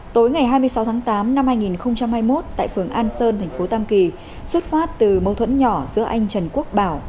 tối ngày hai mươi sáu tháng tám năm hai nghìn hai mươi một tại phường an sơn thành phố tam kỳ xuất phát từ mâu thuẫn nhỏ giữa anh trần quốc bảo